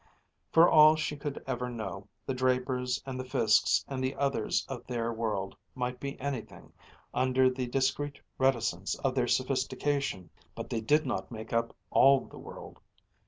For all she could ever know, the Drapers and the Fiskes and the others of their world might be anything, under the discreet reticence of their sophistication; but they did not make up all the world.